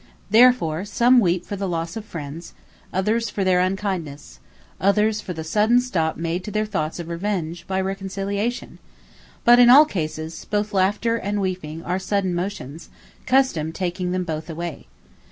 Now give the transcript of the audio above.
Therefore, some Weep for the loss of Friends; Others for their unkindnesse; others for the sudden stop made to their thoughts of revenge, by Reconciliation. But in all cases, both Laughter and Weeping, are sudden motions; Custome taking them both away.